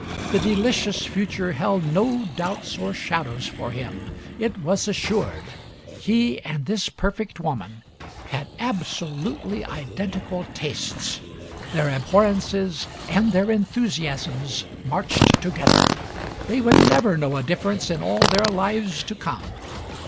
The delicious future held no doubts or shadows for him. It was assured. He and this perfect woman had absolutely identical tastes; their abhorrences and their enthusiasms marched together; they would never know a difference in all their lives to come.